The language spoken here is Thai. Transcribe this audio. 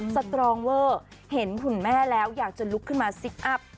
สตรองเวอร์เห็นหุ่นแม่แล้วอยากจะลุกขึ้นมาซิกอัพ